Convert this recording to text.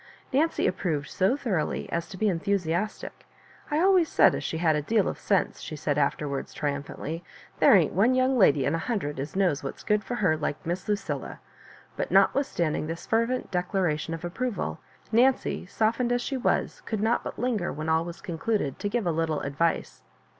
Nancy approved so thoroughly as to be enthusiastic. "I always said as she had a deal of sense," she said afterwards, triumphantly. '^ There ain^t one young lady in a hundred as knows what's good for her, like Miss Lucilla." But notwithstanding this fervent declaration of approval, Nancy, softened as she was, could not but linger, when all was concluded, to give a little advice.